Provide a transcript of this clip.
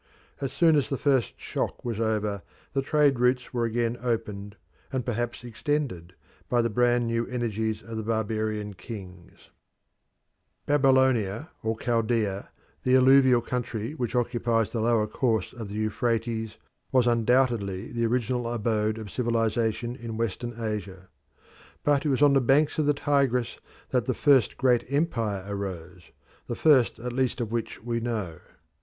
As soon as the first shock was over the trade routes were again opened, and perhaps extended, by the brand new energies of the barbarian kings. Western Asia Babylonia or Chaldea, the alluvial country which occupies the lower course of the Euphrates, was undoubtedly the original abode of civilisation in Western Asia. But it was on the banks of the Tigris that the first great empire arose the first at least of which we know.